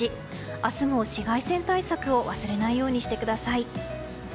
明日も紫外線対策を忘れないようにしてください。